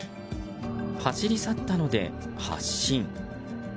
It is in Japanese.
走り去ったので発進。